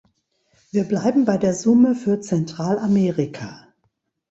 Wir bleiben bei der Summe für Zentralamerika.